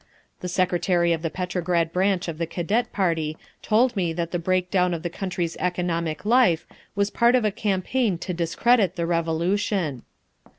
The secretary of the Petrograd branch of the Cadet party told me that the break down of the country's economic life was part of a campaign to discredit the Revolution.